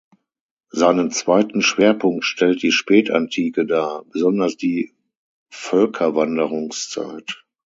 Seinen zweiten Schwerpunkt stellt die Spätantike dar, besonders die Völkerwanderungszeit.